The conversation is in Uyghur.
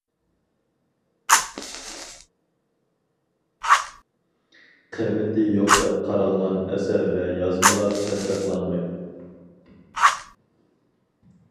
قىممىتى يوق دەپ قارالغان ئەسەر ۋە يازمىلار تەستىقلانمايدۇ.